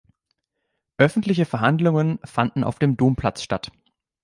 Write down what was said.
Öffentliche Verhandlungen fanden auf dem Domplatz statt.